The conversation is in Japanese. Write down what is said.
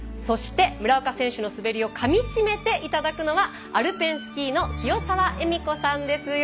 そして村岡選手の滑りをかみしめていただくのはアルペンスキーの清澤恵美子さんです。